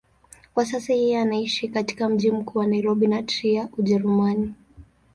Kwa sasa yeye anaishi katika mji mkuu wa Nairobi na Trier, Ujerumani.